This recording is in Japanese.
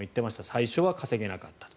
最初は稼げなかったと。